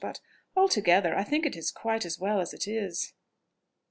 but, altogether, I think it is quite as well as it is."